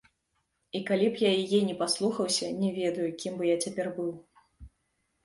І калі б я яе не паслухаўся, не ведаю, кім бы я цяпер быў.